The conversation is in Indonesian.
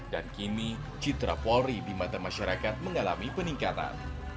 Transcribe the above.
dan kini citra polri di mata masyarakat mengalami peningkatan